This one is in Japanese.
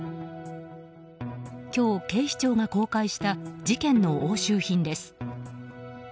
今日、警視庁が公開した事件の押収品です。